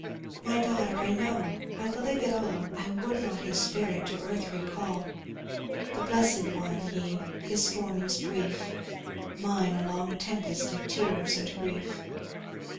"'My daughter, I know I believe it all, I would not his spirit to earth recall. The blest one he his storm was brief, Mine, a long tempest of tears and grief.